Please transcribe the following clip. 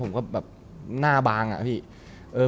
ผมก็แบบหน้าบางอะพี่